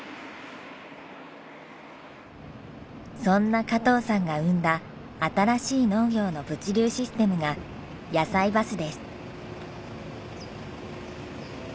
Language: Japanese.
そんな加藤さんが生んだ新しい農業の物流システムがやさいバスです。